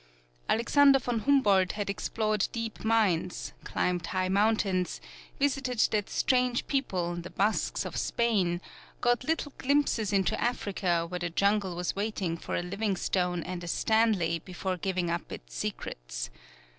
Alexander von Humboldt had explored deep mines, climbed high mountains, visited that strange people, the Basques of Spain, got little glimpses into Africa where the jungle was waiting for a Livingstone and a Stanley before giving up its secrets.